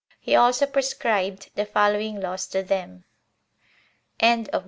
He also prescribed the following laws to them: CHAPTER 12.